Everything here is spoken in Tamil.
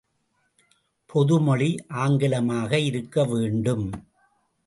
பொதுமொழி ஆங்கிலமாக இருக்க வேண்டும்.